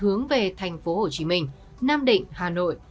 hướng về thành phố hồ chí minh nam định hà nội